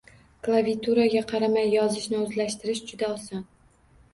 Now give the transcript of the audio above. Klaviaturaga qaramay yozishni o’zlashtirish juda oson